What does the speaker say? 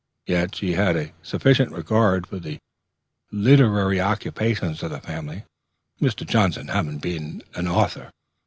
Yet she had a sufficient regard for the literary occupations of the family, Mr. Johnson having been an author.